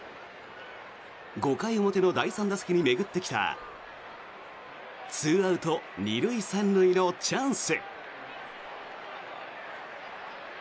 ５回表の第３打席に巡ってきた２アウト２塁３塁のチャンス。